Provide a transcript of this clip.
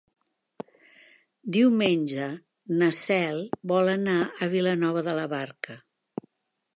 Diumenge na Cel vol anar a Vilanova de la Barca.